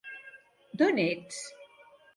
D'on ets?